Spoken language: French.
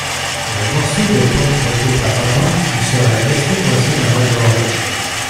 Le morceau de pomme croqué par Adam lui serait resté coincé dans la gorge.